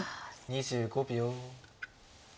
２５秒。